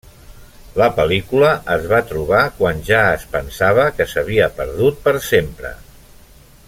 La pel·lícula es va trobar quan ja es pensava que s’havia perdut per sempre.